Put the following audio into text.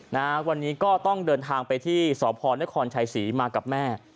นะฮะวันนี้ก็ต้องเดินทางไปที่สพนครชัยศรีมากับแม่